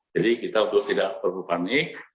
jadi kita untuk tidak perlu panik